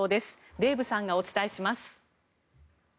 デーブさんがお伝えします。